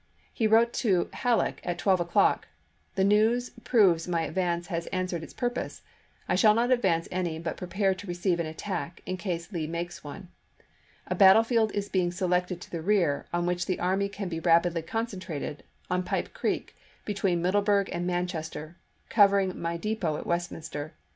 He wrote to Hal leck at twelve o'clock, " the news proves my advance has answered its purpose. I shall not advance any, but prepare to receive an attack, in case Lee makes one. A battlefield is being selected to the rear, on which the army can be rapidly concentrated, on Pipe Creek, between Middleburg and Manchester, covering my depot at Westminster.